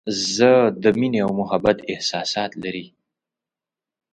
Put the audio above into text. زه د مینې او محبت احساسات لري.